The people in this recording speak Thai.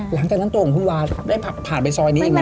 หลังจากนั้นตัวของคุณวาได้ผ่านไปซอยนี้ยังไง